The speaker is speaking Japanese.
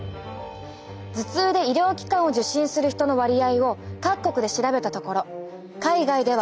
頭痛で医療機関を受診する人の割合を各国で調べたところ海外では。